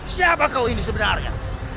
siapa kau ini sebenarnya